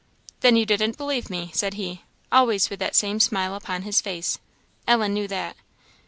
"Then you didn't believe me?" said he, always with that same smile upon his face; Ellen knew that.